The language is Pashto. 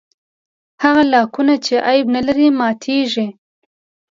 هغه لاکونه چې عیب نه لري ماتېږي.